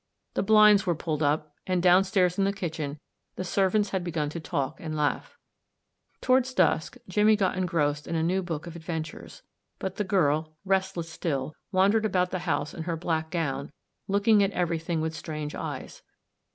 The blinds were pulled up, and downstairs, in the kitchen, the servants had begun to talk and laugh. Toward dusk Jimmie got engrossed in a new book of adventures, but the girl, restless still, wandered about the house in her black gown, looking at everything with strange eyes.